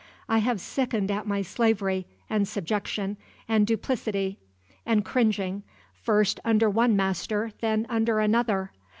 I have sickened at my slavery, and subjection, and duplicity, and cringing, first under one master then under another.